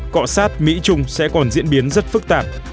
cọ sát mỹ trung sẽ còn diễn biến rất phức tạp